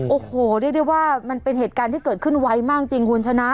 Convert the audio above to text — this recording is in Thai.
โอ้โหเรียกได้ว่ามันเป็นเหตุการณ์ที่เกิดขึ้นไวมากจริงคุณชนะ